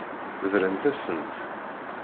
Brant-asent.